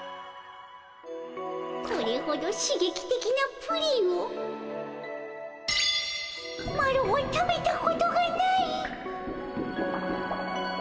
これほどしげきてきなプリンをマロは食べたことがない。